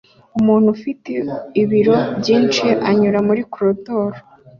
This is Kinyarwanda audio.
Umuntu ufite ibiro byinshi anyura muri koridor